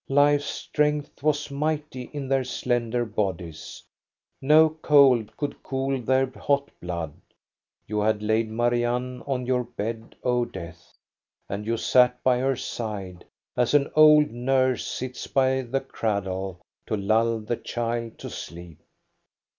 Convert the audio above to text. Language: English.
Life's strength was mighty in their slender bodies, no cold could cool their hot 102 THE STORY OF GOSTA BERUNG blood. You had laid Marianne on your bed, O Death, and you sat by her side, as an old nurse sits by the cradle to lull the child to sleep.